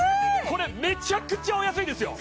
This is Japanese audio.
これめちゃくちゃお安いですよ